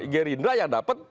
gerindra yang dapat